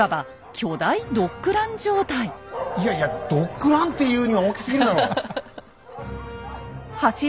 いやいやドッグランって言うには大きすぎるだろ！